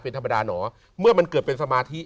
เป็นธรรมดาหนอเมื่อมันเกิดเป็นสมาธิ